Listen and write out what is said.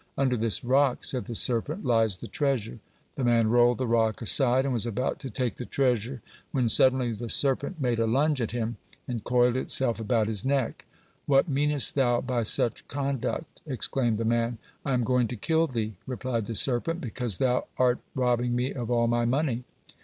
"Under this rock," said the serpent, "lies the treasure." The man rolled the rock aside, and was about to take the treasure, when suddenly the serpent made a lunge at him, and coiled itself about his neck. "What meanest thou by such conduct?" exclaimed the man. "I am going to kill thee," replied the serpent, "because thou art robbing me of all my money."